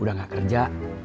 udah gak kerja